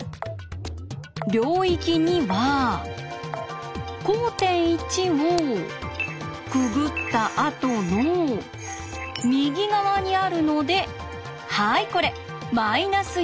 領域２は交点１をくぐった後の右側にあるのではいこれ−１。